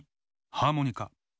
ハーモニカ。